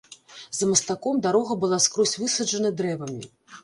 За мастком дарога была скрозь высаджана дрэвамі.